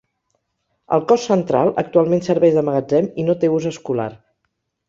El cos central, actualment serveix de magatzem i no té ús escolar.